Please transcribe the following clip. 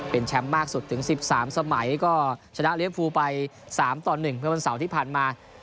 เป็นแชมป์มากสุดถึงสิบสามสมัยก็ชนะเรียกภูมิไปสามต่อหนึ่งเพื่อเพราะวันเสาร์ที่ผ่านมา